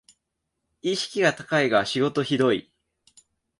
意識高いが仕事ひどい